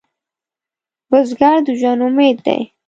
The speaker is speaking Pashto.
بزګر د ژوند امید دی